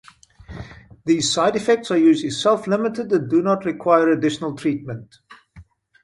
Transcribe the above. These side effects are usually self-limited and do not require additional treatment.